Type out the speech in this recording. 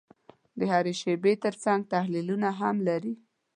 د هرې پېښې ترڅنګ تحلیلونه هم لري.